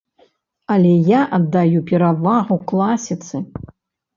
Але я аддаю перавагу класіцы.